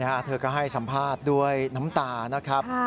เธอก็ให้สัมภาษณ์ด้วยน้ำตานะครับ